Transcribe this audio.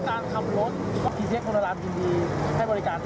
ว่าคนที่มาบริการนี่แหละครับนี่แหละครับ